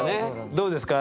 どうですか？